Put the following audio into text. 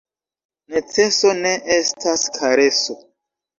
Neceso ne estas kareso.